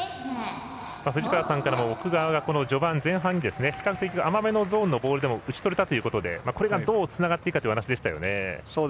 藤川さんからも奥川が前半に、比較的甘いゾーンのボールでも打ち取れたということでこれがどうつながっていくかというお話でしたよね。